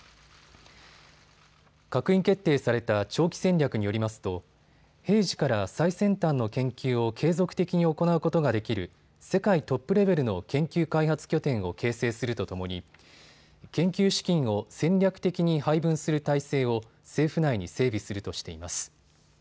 閣議決定された長期戦略によりますと平時から最先端の研究を継続的に行うことができる世界トップレベルの研究開発拠点を形成するとともに研究資金を戦略的に配分する体制を政府内に整備するとしています。